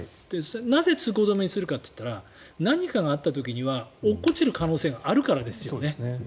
なぜ通行止めにするかと言ったら何かがあった時には落っこちる可能性があるからですよね。